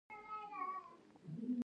هغې غوښتل چې معالجوي طب ولولي